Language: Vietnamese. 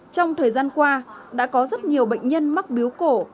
trong thời gian qua đã có rất nhiều bệnh nhân mắc biếu cổ